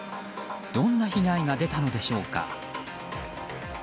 どんな被害が出たのでしょうか。